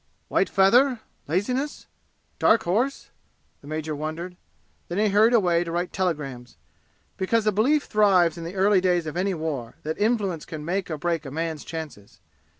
"White feather? Laziness? Dark Horse?" the major wondered. Then he hurried away to write telegrams, because a belief thrives in the early days of any war that influence can make or break a man's chances.